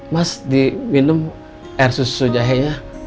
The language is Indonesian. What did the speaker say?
mas di minum air susu jahenya